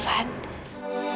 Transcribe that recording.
sampai jumpa lagi